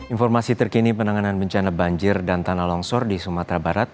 informasi terkini penanganan bencana banjir dan tanah longsor di sumatera barat